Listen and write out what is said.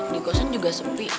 di kosan juga sepi